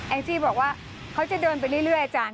งจี้บอกว่าเขาจะเดินไปเรื่อยอาจารย์